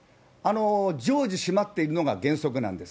常時閉まっているのが原則なんです。